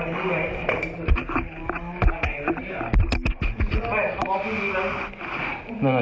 นั่นคือเวลาที่สุดท้ายที่สุด